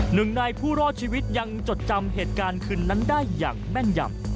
หนึ่งในผู้รอดชีวิตยังจดจำเหตุการณ์คืนนั้นได้อย่างแม่นยำ